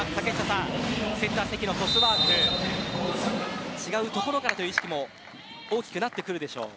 セッター関のトスワーク違う所からという意識も大きくなってくるでしょう。